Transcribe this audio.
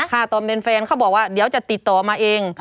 ตอนเป็นแฟนเขาบอกว่าเดี๋ยวจะติดต่อมาเอง